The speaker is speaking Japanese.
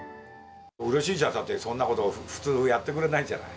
うれしいじゃん、だって、そんなこと、普通、やってくれないじゃない。